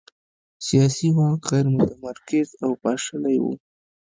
سیاسي واک غیر متمرکز او پاشلی و.